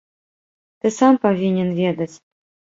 Ты сам павінен ведаць.